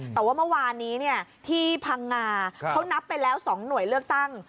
แต่ว่าเมื่อวานนี้ที่พังงาเขานับไปแล้ว๒หน่วยเลือกตั้ง